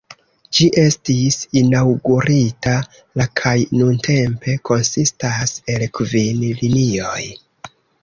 Ĝi estis inaŭgurita la kaj nuntempe konsistas el kvin linioj.